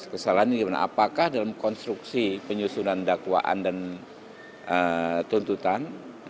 kesalahan ini gimana apakah dalam konstruksi penyusunan dakwaan dan tuntutan